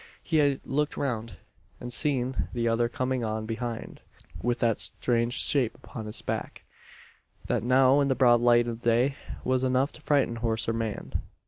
He had looked round, and seen the other coming on behind, with that strange shape upon his back, that now in the broad light of day was enough to frighten horse or man.